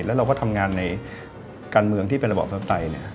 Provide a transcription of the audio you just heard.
แล้วเราก็ทำงานในการเมืองที่เป็นระบอบประชาปไตย